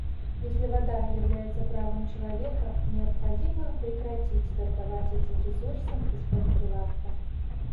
Если вода является правом человека, необходимо прекратить торговать этим ресурсом из-под прилавка.